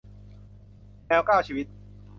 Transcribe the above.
แมวเก้าชีวิต